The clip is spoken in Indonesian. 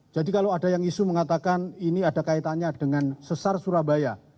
jadi kalau ada yang isu mengatakan ini ada kaitannya dengan sesar surabaya